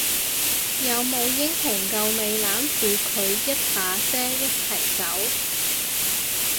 有冇英雄救美攬住佢一把遮一齊走？